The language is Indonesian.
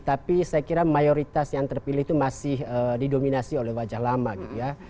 tapi saya kira mayoritas yang terpilih itu masih didominasi oleh wajah lama gitu ya